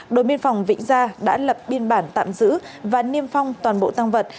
đội biên phòng vĩnh gia đã lập biên bản tạm giữ và niêm phong toàn bộ tăng vật